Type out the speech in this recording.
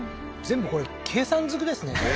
全部これ計算ずくですね